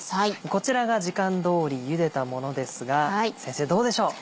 こちらが時間通りゆでたものですが先生どうでしょう？